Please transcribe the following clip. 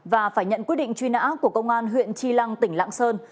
và phải nhận quyết định truy nã của công an huyện tri lăng tỉnh lạng sơn